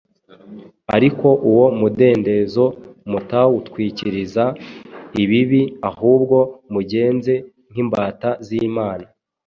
ariko uwo mudendezo mutawutwikiriza ibibi, ahubwo mugenze nk’imbata z’imana.